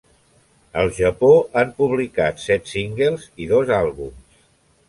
Al Japó, han publicat set singles i dos àlbums.